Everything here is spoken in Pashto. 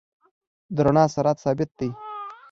د رڼا سرعت ثابت دی.